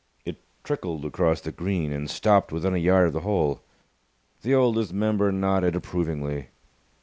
It trickled across the green, and stopped within a yard of the hole. The Oldest Member nodded approvingly.